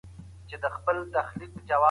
پښتو او دري ژبي زده کړي او ښه يې زده کيدې؛ خو